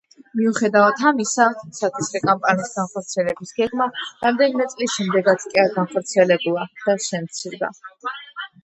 მიუხედავად ამისა, სათესლე კამპანიის განხორციელების გეგმა რამდენიმე წლის შემდეგაც კი არ განხორციელებულა და შემცირდა.